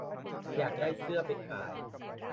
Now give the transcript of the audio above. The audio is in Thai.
อยากได้เสื้อไปขาย